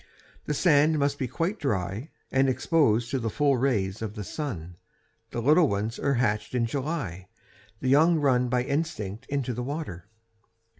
The sand must be quite dry and exposed to the full rays of the sun. The little ones are hatched in July. The young run by instinct into the water.